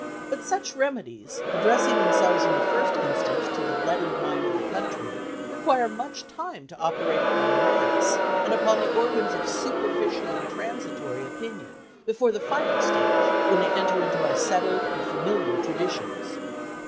But such remedies, addressing themselves in the first instance to the lettered mind of the country, require much time to operate upon the mass, and upon the organs of superficial and transitory opinion, before the final stage, when they enter into our settled and familiar traditions.